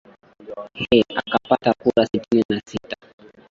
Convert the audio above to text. h akapata kura sitini na sita